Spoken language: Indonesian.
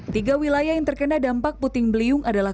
tiga wilayah yang terkena dampak puting beliung adalah